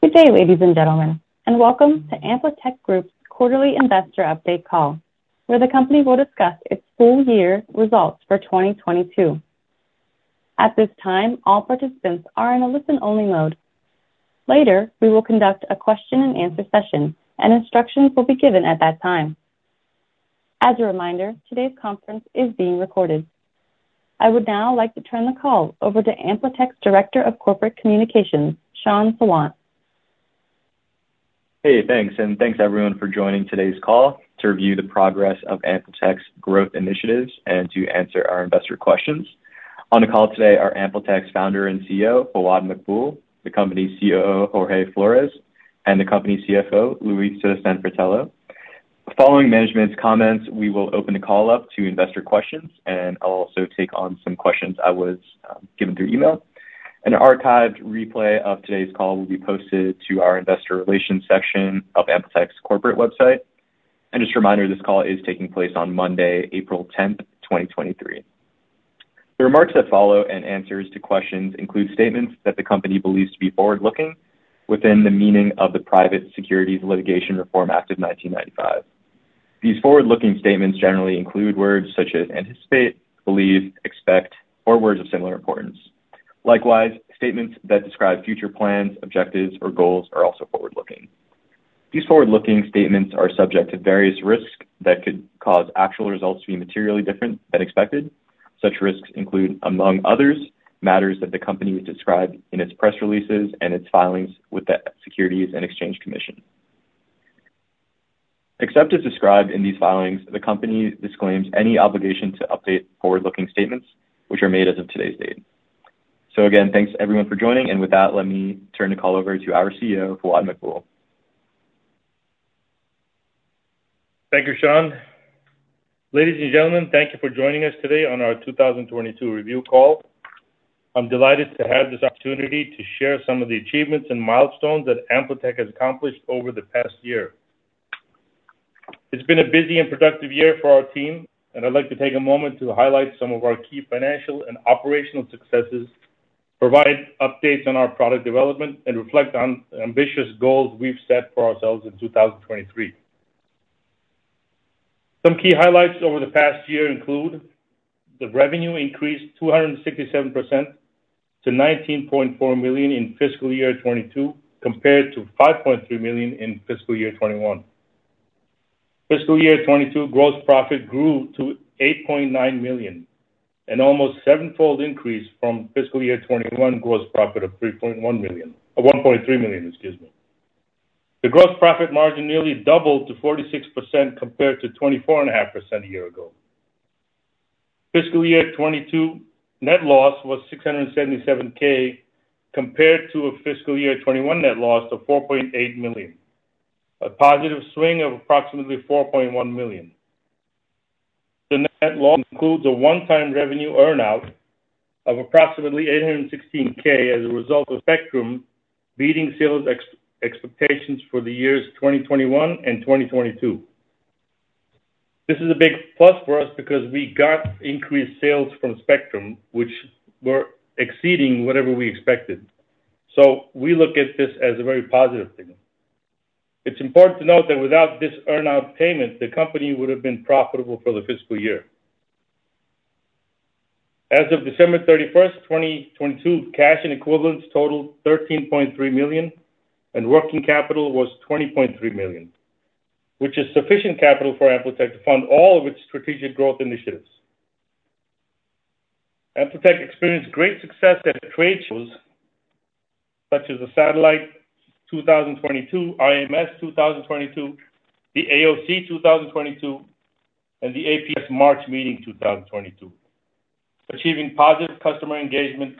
Good day, ladies and gentlemen, and welcome to AmpliTech Group's quarterly investor update call, where the company will discuss its full year results for 2022. At this time, all participants are in a listen-only mode. Later, we will conduct a question-and-answer session, and instructions will be given at that time. As a reminder, today's conference is being recorded. I would now like to turn the call over to AmpliTech's Director of Corporate Communications, Shan Sawant. Thanks. Thanks everyone for joining today's call to review the progress of AmpliTech's growth initiatives and to answer our investor questions. On the call today are AmpliTech's founder and CEO, Fawad Maqbool, the company's COO, Jorge Flores, and the company's CFO, Louisa Sanfratello. Following management's comments, we will open the call up to investor questions, I'll also take on some questions I was given through email. An archived replay of today's call will be posted to our investor relations section of AmpliTech's corporate website. Just a reminder, this call is taking place on Monday, April 10th, 2023. The remarks that follow and answers to questions include statements that the company believes to be forward-looking within the meaning of the Private Securities Litigation Reform Act of 1995. These forward-looking statements generally include words such as anticipate, believe, expect, or words of similar importance. Likewise, statements that describe future plans, objectives or goals are also forward-looking. These forward-looking statements are subject to various risks that could cause actual results to be materially different than expected. Such risks include, among others, matters that the company has described in its press releases and its filings with the Securities and Exchange Commission. Except as described in these filings, the company disclaims any obligation to update forward-looking statements which are made as of today's date. Again, thanks everyone for joining. With that, let me turn the call over to our CEO, Fawad Maqbool. Thank you, Shan. Ladies and gentlemen, thank you for joining us today on our 2022 review call. I'm delighted to have this opportunity to share some of the achievements and milestones that AmpliTech has accomplished over the past year. It's been a busy and productive year for our team, and I'd like to take a moment to highlight some of our key financial and operational successes, provide updates on our product development, and reflect on ambitious goals we've set for ourselves in 2023. Some key highlights over the past year include the revenue increased 267% to $19.4 million in fiscal year 2022, compared to $5.3 million in fiscal year 2021. Fiscal year 2022 gross profit grew to $8.9 million, an almost seven-fold increase from fiscal year 2021 gross profit of $3.1 million. $1.3 million, excuse me. The gross profit margin nearly doubled to 46% compared to 24.5% a year ago. Fiscal year 2022 net loss was $677K compared to a fiscal year 2021 net loss of $4.8 million. A positive swing of approximately $4.1 million. The net loss includes a one-time revenue earn-out of approximately $816K as a result of Spectrum beating sales expectations for the years 2021 and 2022. This is a big plus for us because we got increased sales from Spectrum, which were exceeding whatever we expected. We look at this as a very positive signal. It's important to note that without this earn-out payment, the company would have been profitable for the fiscal year. As of December 31, 2022, cash and equivalents totaled $13.3 million, and working capital was $20.3 million, which is sufficient capital for AmpliTech to fund all of its strategic growth initiatives. AmpliTech experienced great success at trade shows such as the SATELLITE 2022, IMS2022, the AOC 2022, and the APS March Meeting 2022, achieving positive customer engagement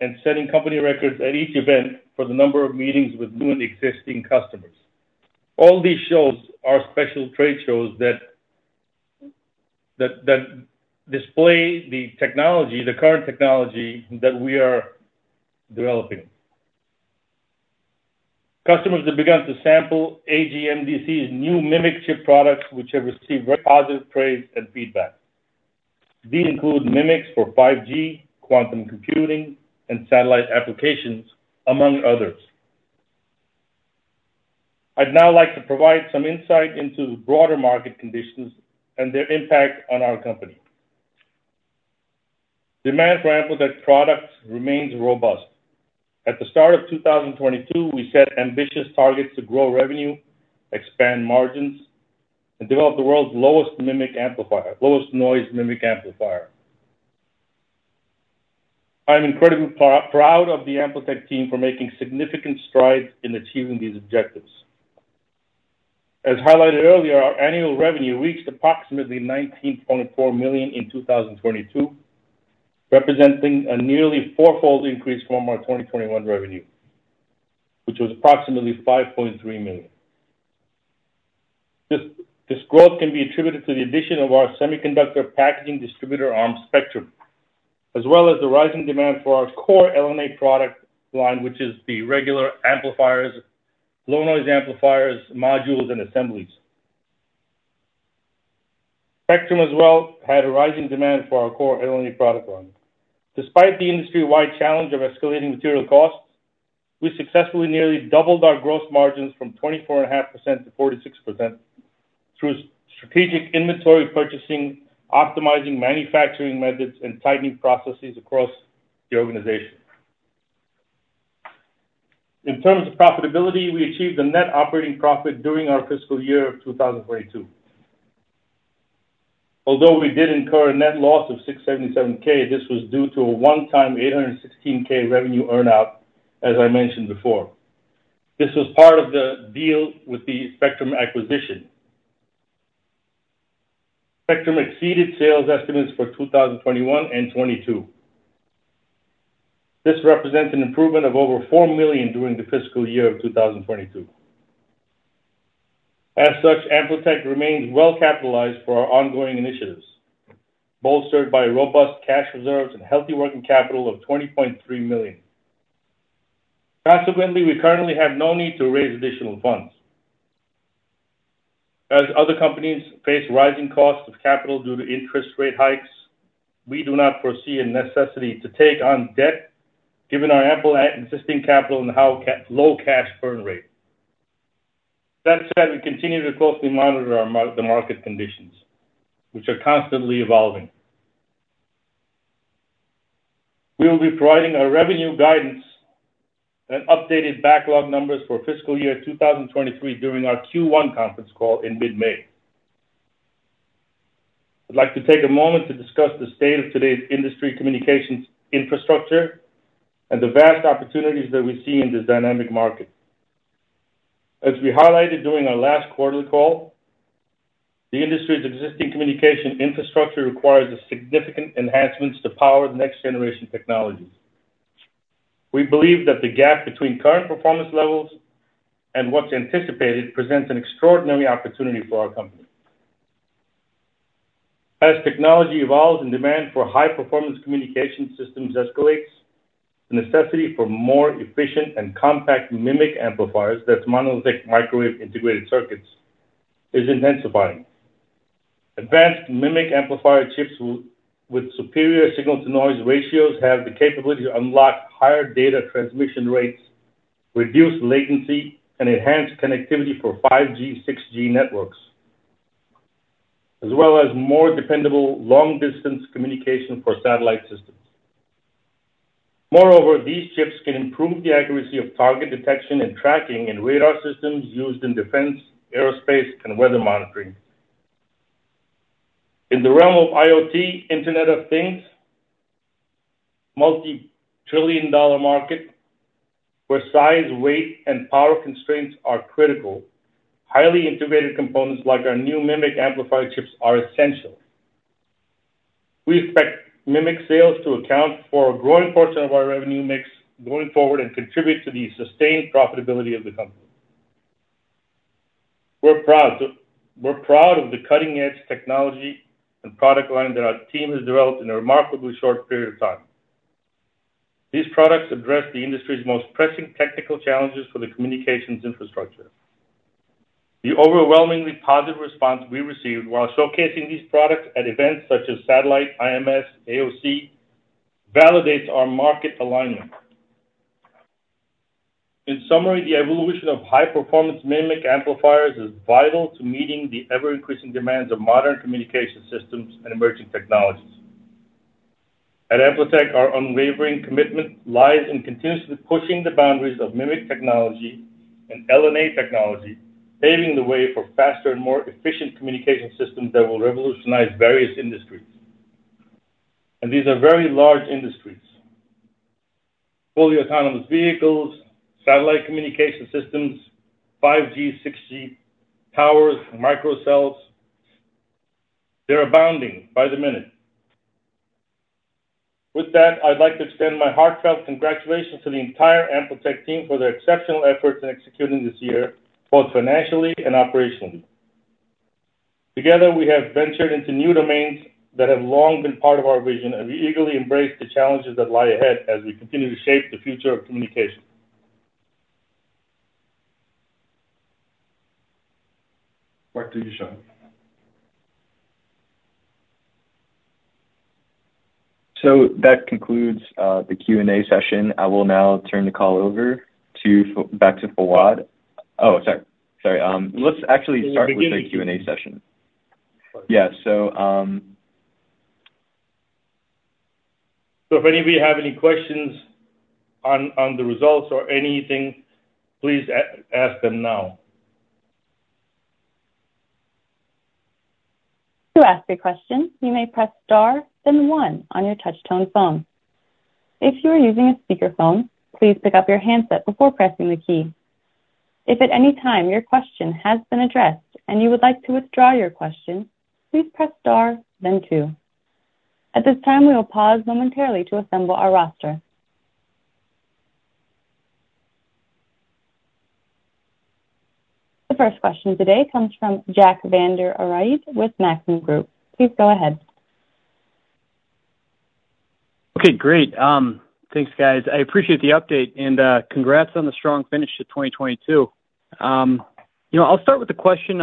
and setting company records at each event for the number of meetings with new and existing customers. All these shows are special trade shows that display the technology, the current technology that we are developing. Customers have begun to sample AGMDC's new MMIC chip products, which have received very positive praise and feedback. These include MMICs for 5G, quantum computing, and satellite applications, among others. I'd now like to provide some insight into broader market conditions and their impact on our company. Demand for AmpliTech products remains robust. At the start of 2022, we set ambitious targets to grow revenue, expand margins, and develop the world's lowest noise MMIC amplifier. I'm incredibly proud of the AmpliTech team for making significant strides in achieving these objectives. As highlighted earlier, our annual revenue reached approximately $19.4 million in 2022, representing a nearly 4-fold increase from our 2021 revenue, which was approximately $5.3 million. This growth can be attributed to the addition of our semiconductor packaging distributor arm Spectrum, as well as the rising demand for our core LNA product line, which is the regular amplifiers, low noise amplifiers, modules, and assemblies. Spectrum as well had a rising demand for our core LNA product line. Despite the industry-wide challenge of escalating material costs, we successfully nearly doubled our gross margins from 24.5% to 46% through strategic inventory purchasing, optimizing manufacturing methods, and tightening processes across the organization. In terms of profitability, we achieved a net operating profit during our fiscal year of 2022. We did incur a net loss of $677K, this was due to a one-time $816K revenue earn-out, as I mentioned before. This was part of the deal with the Spectrum acquisition. Spectrum exceeded sales estimates for 2021 and 2022. This represents an improvement of over $4 million during the fiscal year of 2022. AmpliTech remains well-capitalized for our ongoing initiatives, bolstered by robust cash reserves and healthy working capital of $20.3 million. Consequently, we currently have no need to raise additional funds. As other companies face rising costs of capital due to interest rate hikes, we do not foresee a necessity to take on debt given our ample existing capital and how low cash burn rate. That said, we continue to closely monitor the market conditions, which are constantly evolving. We will be providing our revenue guidance and updated backlog numbers for fiscal year 2023 during our Q1 conference call in mid-May. I'd like to take a moment to discuss the state of today's industry communications infrastructure and the vast opportunities that we see in this dynamic market. As we highlighted during our last quarterly call, the industry's existing communication infrastructure requires a significant enhancements to power the next-generation technologies. We believe that the gap between current performance levels and what's anticipated presents an extraordinary opportunity for our company. As technology evolves and demand for high-performance communication systems escalates, the necessity for more efficient and compact MMIC amplifiers, that's monolithic microwave integrated circuits, is intensifying. Advanced MMIC amplifier chips with superior signal-to-noise ratios have the capability to unlock higher data transmission rates, reduce latency, and enhance connectivity for 5G, 6G networks, as well as more dependable long-distance communication for satellite systems. Moreover, these chips can improve the accuracy of target detection and tracking in radar systems used in defense, aerospace, and weather monitoring. In the realm of IoT, Internet of Things, multi-trillion dollar market, where size, weight, and power constraints are critical, highly integrated components like our new MMIC amplifier chips are essential. We expect MMIC sales to account for a growing portion of our revenue mix going forward and contribute to the sustained profitability of the company. We're proud of the cutting-edge technology and product line that our team has developed in a remarkably short period of time. These products address the industry's most pressing technical challenges for the communications infrastructure. The overwhelmingly positive response we received while showcasing these products at events such as SATELLITE, IMS, AOC validates our market alignment. In summary, the evolution of high-performance MMIC amplifiers is vital to meeting the ever-increasing demands of modern communication systems and emerging technologies. At AmpliTech, our unwavering commitment lies in continuously pushing the boundaries of MMIC technology and LNA technology, paving the way for faster and more efficient communication systems that will revolutionize various industries. These are very large industries. Fully autonomous vehicles, satellite communication systems, 5G, 6G, towers, microcells, they're abounding by the minute. I'd like to extend my heartfelt congratulations to the entire AmpliTech team for their exceptional efforts in executing this year, both financially and operationally. Together, we have ventured into new domains that have long been part of our vision. We eagerly embrace the challenges that lie ahead as we continue to shape the future of communication. Back to you, Shan. That concludes the Q&A session. I will now turn the call over back to Fawad. Sorry. Let's actually start with the Q&A session. Yeah. If any of you have any questions on the results or anything, please ask them now. To ask a question, you may press star then one on your touch-tone phone. If you are using a speakerphone, please pick up your handset before pressing the key. If at any time your question has been addressed and you would like to withdraw your question, please press star then two. At this time, we will pause momentarily to assemble our roster. The first question today comes from Jack Vander Aarde with Maxim Group. Please go ahead. Okay, great. Thanks, guys. I appreciate the update and congrats on the strong finish to 2022. You know, I'll start with a question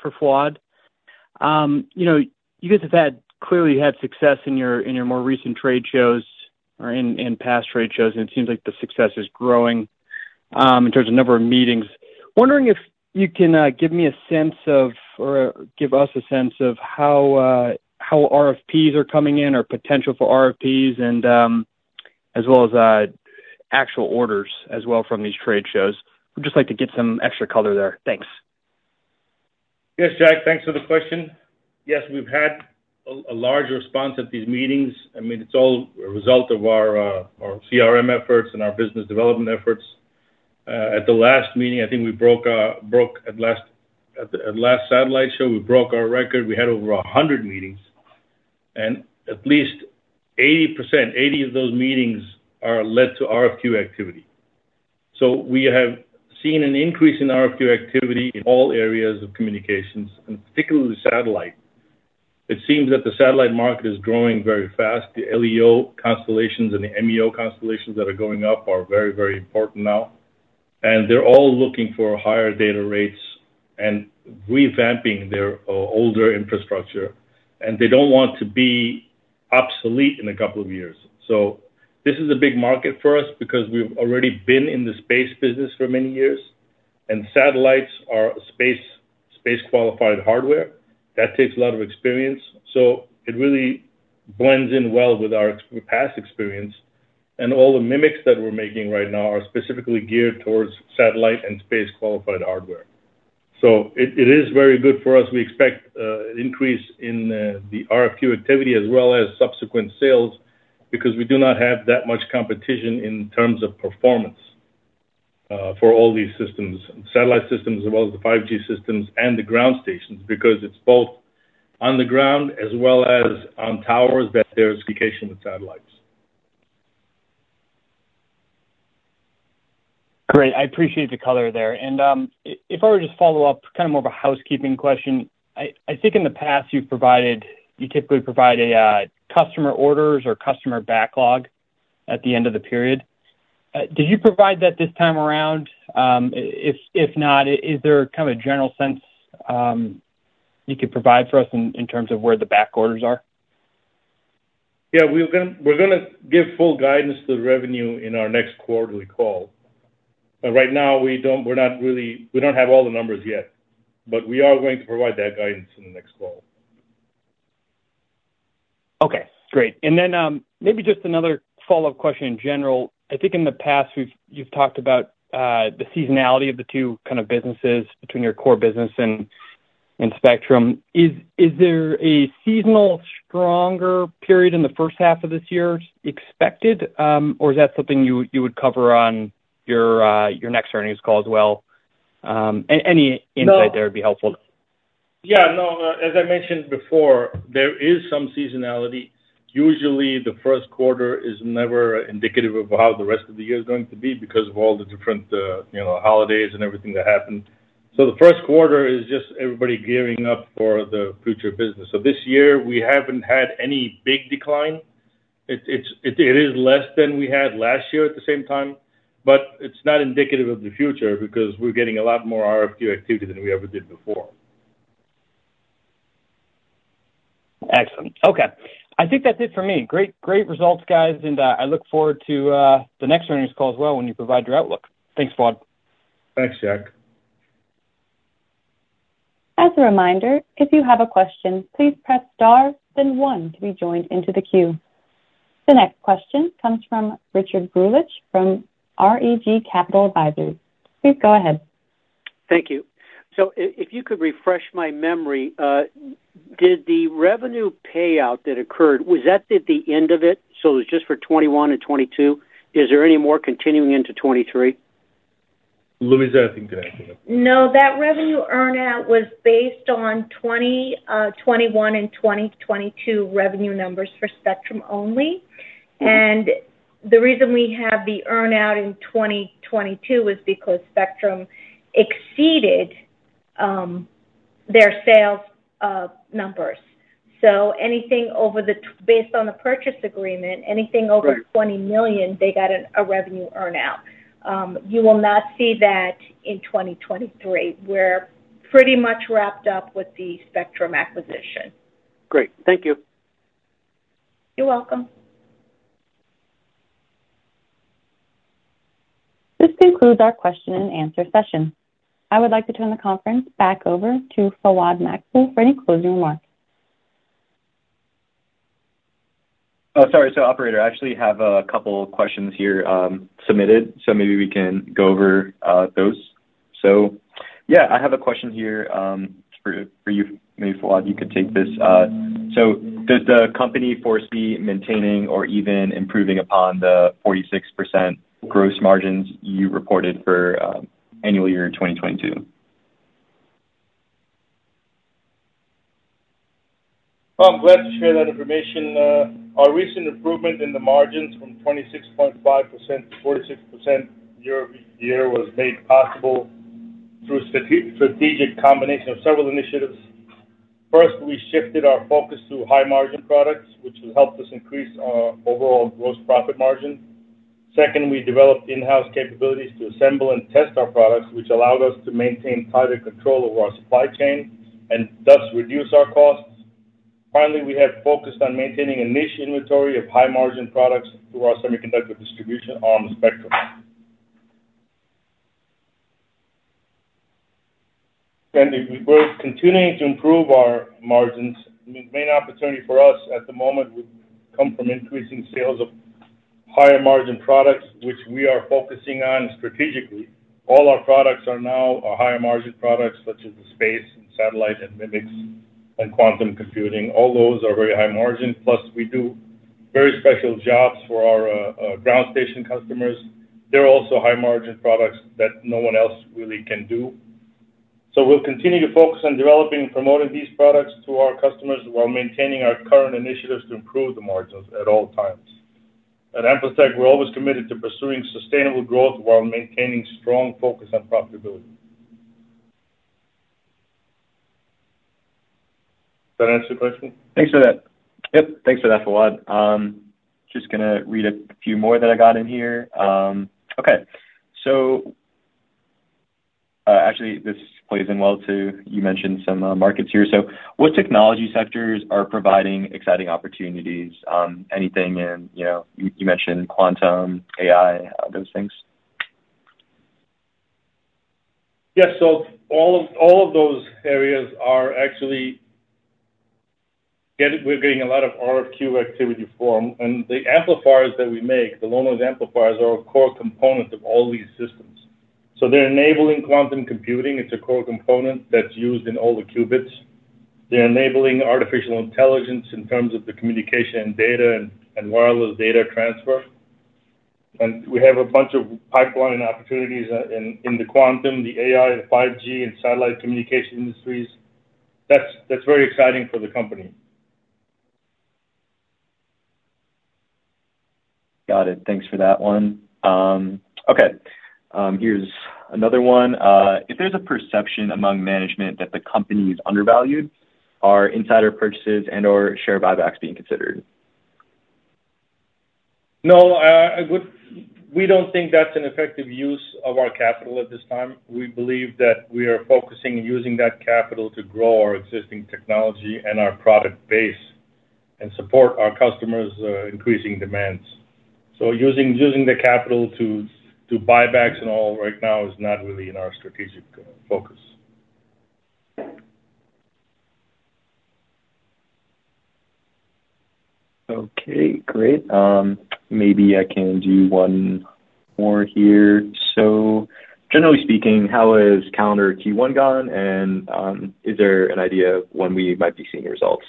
for Fawad. You know, you guys clearly had success in your, in your more recent trade shows or in past trade shows, and it seems like the success is growing in terms of number of meetings. Wondering if you can give me a sense of, or give us a sense of how RFPs are coming in or potential for RFPs and as well as actual orders as well from these trade shows. We'd just like to get some extra color there. Thanks. Yes, Jack. Thanks for the question. Yes, we've had a large response at these meetings. I mean, it's all a result of our CRM efforts and our business development efforts. At the last meeting, I think we broke our record at the last Satellite Show. We had over 100 meetings, and at least 80%, 80 of those meetings are led to RFQ activity. We have seen an increase in RFQ activity in all areas of communications, and particularly satellite. It seems that the satellite market is growing very fast. The LEO constellations and the MEO constellations that are going up are very important now. They're all looking for higher data rates and revamping their older infrastructure. They don't want to be obsolete in a couple of years. This is a big market for us because we've already been in the space business for many years, and satellites are space-qualified hardware. That takes a lot of experience. It really blends in well with our past experience. All the MMICs that we're making right now are specifically geared towards satellite and space-qualified hardware. It is very good for us. We expect an increase in the RFQ activity as well as subsequent sales because we do not have that much competition in terms of performance for all these systems, satellite systems as well as the 5G systems and the ground stations, because it's both on the ground as well as on towers that there's communication with satellites. Great. I appreciate the color there. If I were to just follow up, kind of more of a housekeeping question. I think in the past you typically provide a customer orders or customer backlog at the end of the period. Did you provide that this time around? If not, is there kind of a general sense you could provide for us in terms of where the back orders are? Yeah, we're gonna give full guidance to the revenue in our next quarterly call. Right now we don't have all the numbers yet, but we are going to provide that guidance in the next call. Okay, great. Then, maybe just another follow-up question in general. I think in the past, you've talked about the seasonality of the two kind of businesses between your core business and Spectrum. Is there a seasonal stronger period in the first half of this year expected, or is that something you would cover on your next earnings call as well? any insight there would be helpful. Yeah, no, as I mentioned before, there is some seasonality. Usually, the first quarter is never indicative of how the rest of the year is going to be because of all the different, you know, holidays and everything that happened. The first quarter is just everybody gearing up for the future business. This year we haven't had any big decline. It is less than we had last year at the same time, but it's not indicative of the future because we're getting a lot more RFQ activity than we ever did before. Excellent. Okay. I think that's it for me. Great, great results, guys, and I look forward to the next earnings call as well when you provide your outlook. Thanks, Fawad. Thanks, Jack. As a reminder, if you have a question, please press star then one to be joined into the queue. The next question comes from Richard Greulich from REG Capital Advisors. Please go ahead. Thank you. If you could refresh my memory, did the revenue payout that occurred, was that at the end of it, so it was just for 2021 and 2022? Is there any more continuing into 2023? Louise, I think can answer that. No, that revenue earn-out was based on 20, 21 and 2022 revenue numbers for Spectrum only. The reason we have the earn-out in 2022 was because Spectrum exceeded their sales numbers. Based on the purchase agreement, anything over- Great. - $20 million, they got a revenue earn-out. You will not see that in 2023. We're pretty much wrapped up with the Spectrum acquisition. Great. Thank you. You're welcome. This concludes our question-and-answer session. I would like to turn the conference back over to Fawad Maqbool for any closing remarks. Sorry, operator, I actually have a couple of questions here, submitted, maybe we can go over those. Yeah, I have a question here for you. Maybe, Fawad, you could take this. Does the company foresee maintaining or even improving upon the 46% gross margins you reported for annual year 2022? Well, I'm glad to share that information. Our recent improvement in the margins from 26.5% to 46% year-over-year was made possible through strategic combination of several initiatives. First, we shifted our focus to high margin products, which will help us increase our overall gross profit margin. Second, we developed in-house capabilities to assemble and test our products, which allowed us to maintain tighter control over our supply chain and thus reduce our costs. Finally, we have focused on maintaining a niche inventory of high margin products through our semiconductor distribution arm, Spectrum. We're continuing to improve our margins. The main opportunity for us at the moment would come from increasing sales of higher margin products, which we are focusing on strategically. All our products are now higher margin products such as the space and satellite and MMICs and quantum computing. All those are very high margin. We do very special jobs for our ground station customers. They're also high margin products that no one else really can do. We'll continue to focus on developing and promoting these products to our customers while maintaining our current initiatives to improve the margins at all times. At AmpliTech, we're always committed to pursuing sustainable growth while maintaining strong focus on profitability. Does that answer your question? Thanks for that. Yep, thanks for that, Fawad. Just gonna read a few more that I got in here. Okay. Actually this plays in well, too. You mentioned some markets here. What technology sectors are providing exciting opportunities? Anything in, you know, you mentioned quantum, AI, those things? Yes. All of those areas are actually we're getting a lot of RFQ activity form. The amplifiers that we make, the low-noise amplifiers, are a core component of all these systems. They're enabling quantum computing. It's a core component that's used in all the qubits. They're enabling artificial intelligence in terms of the communication and data and wireless data transfer. We have a bunch of pipeline opportunities in the quantum, the AI, the 5G and satellite communication industries. That's very exciting for the company. Got it. Thanks for that one. Okay, here's another one. If there's a perception among management that the company is undervalued, are insider purchases and/or share buybacks being considered? No. We don't think that's an effective use of our capital at this time. We believe that we are focusing and using that capital to grow our existing technology and our product base and support our customers' increasing demands. Using the capital to buybacks and all right now is not really in our strategic focus. Okay, great. Maybe I can do one more here. Generally speaking, how has calendar Q1 gone? Is there an idea of when we might be seeing results?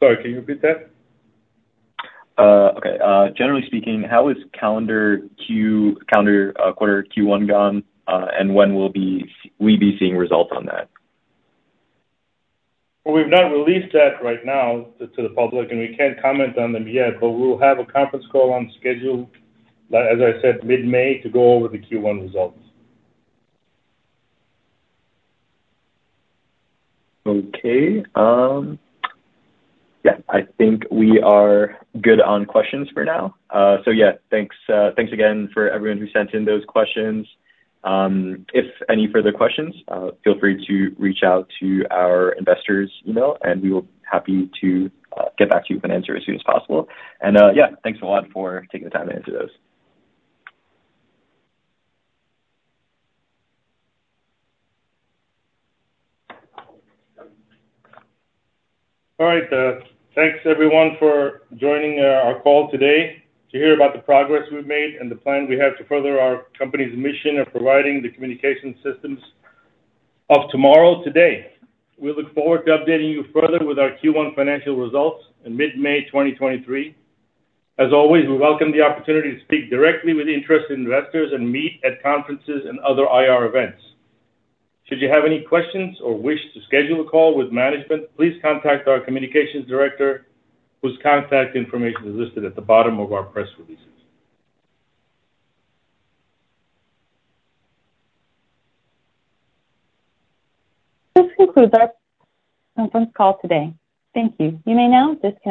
Sorry, can you repeat that? Okay. Generally speaking, how has calendar quarter Q1 gone? When will we be seeing results on that? We've not released that right now to the public. We can't comment on them yet. We'll have a conference call on schedule, as I said, mid-May to go over the Q1 results. Okay. Yeah, I think we are good on questions for now. Yeah, thanks again for everyone who sent in those questions. If any further questions, feel free to reach out to our investors email and we will happy to get back to you with an answer as soon as possible. Yeah, thanks a lot for taking the time to answer those. All right. Thanks everyone for joining our call today to hear about the progress we've made and the plan we have to further our company's mission of providing the communication systems of tomorrow, today. We look forward to updating you further with our Q1 financial results in mid-May 2023. As always, we welcome the opportunity to speak directly with interested investors and meet at conferences and other IR events. Should you have any questions or wish to schedule a call with management, please contact our communications director, whose contact information is listed at the bottom of our press releases. This concludes our conference call today. Thank you. You may now disconnect.